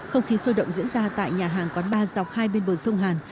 không khí sôi động diễn ra tại nhà hàng quán ba dọc hai bên bờ sông hàn